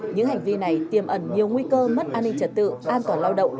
những hành vi này tiềm ẩn nhiều nguy cơ mất an ninh trật tự an toàn lao động